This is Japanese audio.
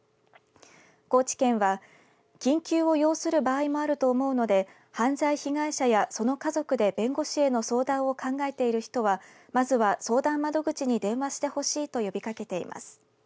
高知県は緊急を要する場合もあると思うので犯罪被害者や、その家族で弁護士への相談を考えている人はまずは相談窓口に電話してほしいと呼びかけています。